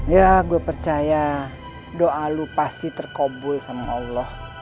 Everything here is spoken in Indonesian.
ya gue percaya doa lo pasti terkabul sama allah